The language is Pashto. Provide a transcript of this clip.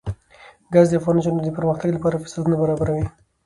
ګاز د افغان نجونو د پرمختګ لپاره فرصتونه برابروي.